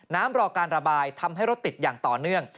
รอการระบายทำให้รถติดอย่างต่อเนื่อง